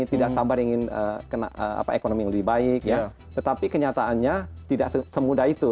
tidak sabar ingin ekonomi yang lebih baik ya tetapi kenyataannya tidak semudah itu